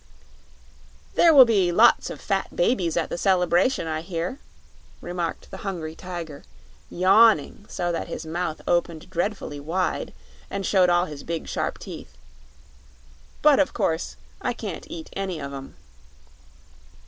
"There will be lots of fat babies at the celebration, I hear," remarked the Hungry Tiger, yawning so that his mouth opened dreadfully wide and showed all his big, sharp teeth; "but of course I can't eat any of 'em."